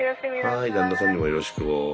はい旦那さんにもよろしくを。